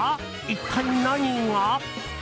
一体何が？